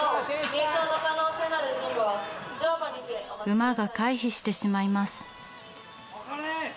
馬が回避してしまいます。